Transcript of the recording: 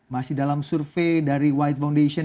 masih dalam survei dari white foundation